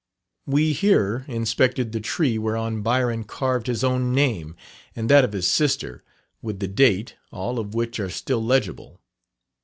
We here inspected the tree whereon Byron carved his own name and that of his sister, with the date, all of which are still legible.